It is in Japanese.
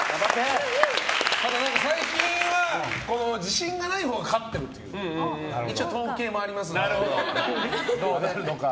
ただ、最近は自信がないほうが勝っているという一応、統計もありますのでどうなるのか。